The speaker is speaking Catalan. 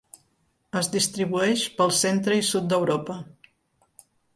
Es distribueix pel centre i sud d'Europa.